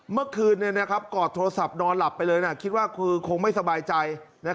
เมื่อคืนกอดโทรศัพท์นอนหลับไปเลยนะคิดว่าคือคงไม่สบายใจ